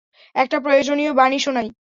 একটা প্রয়োজনীয় বাণী শোনাই।